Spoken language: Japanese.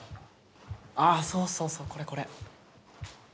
あそうそうそうこれこれ。